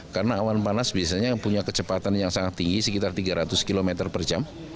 karena awan panas biasanya punya kecepatan yang sangat tinggi sekitar tiga ratus km per jam